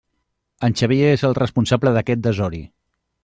En Xavier és el responsable d'aquest desori!